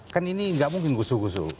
kan ini nggak mungkin gusuh gusuh